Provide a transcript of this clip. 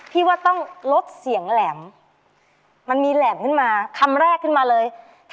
พี่ว่าต้องลดเสียงแหลมมันมีแหลมขึ้นมาคำแรกขึ้นมาเลย